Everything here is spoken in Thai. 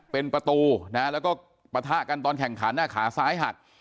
เป็นประตูนะแล้วก็ปะทะกันตอนแข่งขันขาซ้ายหัก